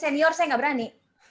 senior saya nggak berani